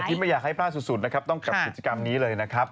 แต่ที่ไม่อยากให้พลายสุดต้องกลับกับกิจกรรมนี้เลยนะครับ